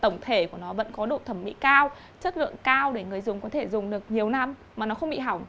tổng thể của nó vẫn có độ thẩm mỹ cao chất lượng cao để người dùng có thể dùng được nhiều năm mà nó không bị hỏng